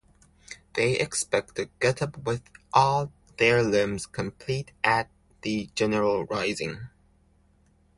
They expect to get up with all their limbs complete at the general rising.